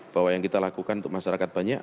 bahwa yang kita lakukan untuk masyarakat banyak